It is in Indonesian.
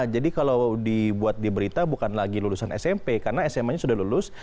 jadi kalau dibuat diberita bukan lagi lulusan smp karena sma nya sudah lulus